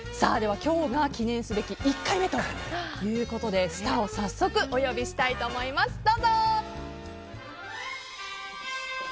今日が記念すべき１回目ということでスターを早速お呼びしたいと思います。